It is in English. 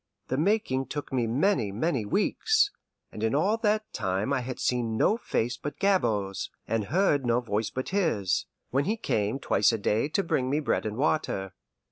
The making took me many, many weeks, and in all that time I had seen no face but Gabord's, and heard no voice but his, when he came twice a day to bring me bread and water.